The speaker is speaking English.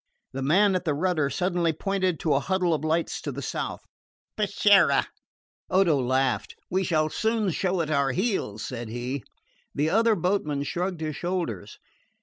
The man at the rudder suddenly pointed to a huddle of lights to the south. "Peschiera." Odo laughed. "We shall soon show it our heels," said he. The other boatman shrugged his shoulders.